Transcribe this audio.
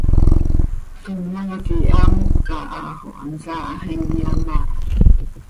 Canoaa quih haa moca ha xo hansaa hax inyaam áa.